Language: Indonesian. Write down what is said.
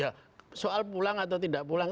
ya soal pulang atau tidak pulang